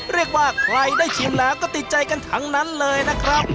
เรียกว่าใครได้ชิมแล้วก็ติดใจกันทั้งนั้นเลยนะครับ